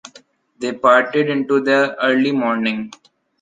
They partied into the early morning.